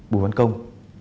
bùi văn công